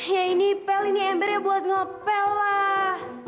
ya ini pel ini embernya buat ngepel lah